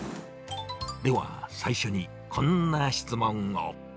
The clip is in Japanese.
では、最初にこんな質問を。